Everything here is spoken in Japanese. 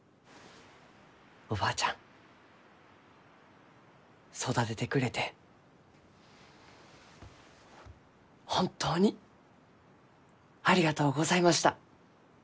おばあちゃん育ててくれて本当にありがとうございました。